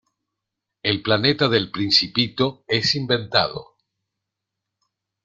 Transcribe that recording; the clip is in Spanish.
El planeta del Principito es inventado.